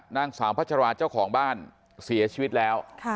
นางสาวพัชราเจ้าของบ้านเสียชีวิตแล้ว